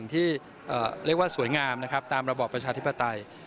ที่เรียกว่าสวยงามนะครับตามระบอบประชาธิปไตย